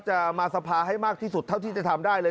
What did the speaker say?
จะมาสภาให้มากที่สุดเท่าที่จะทำได้เลย